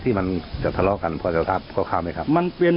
ที่มันจะทะเลาะกันพ่อเจ้าครับ